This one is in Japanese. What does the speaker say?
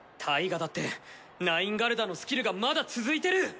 タイガだってナインガルダのスキルがまだ続いてる！